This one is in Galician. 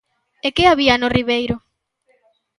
E que había no Ribeiro?